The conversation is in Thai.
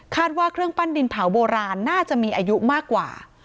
ว่าเครื่องปั้นดินเผาโบราณน่าจะมีอายุมากกว่า